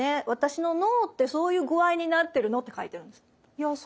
私の脳ってそういう具合になってるのって書いてるんです。